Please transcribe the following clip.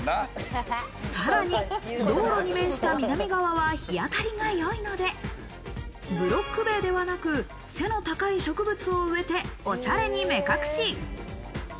さらに道路に面した南側は日当たりが良いので、ブロック塀ではなく、背の高い植物を植えてオシャレに目隠し。